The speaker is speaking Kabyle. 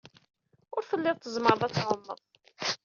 Ur telliḍ tzemreḍ ad tɛumeḍ.